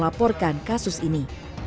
laporan kasus ini